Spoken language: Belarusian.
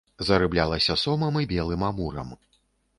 Зарыблялася сомам і белым амурам.